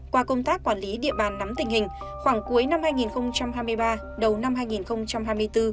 qua công tác quản lý địa bàn nắm tình hình khoảng cuối năm hai nghìn hai mươi ba đầu năm hai nghìn hai mươi bốn